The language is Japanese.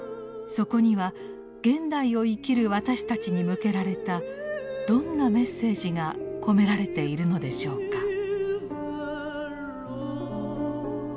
そこには現代を生きる私たちに向けられたどんなメッセージが込められているのでしょうか。